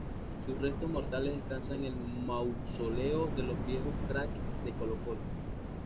Sus restos mortales descansan en el Mausoleo de los Viejos Cracks de Colo-Colo.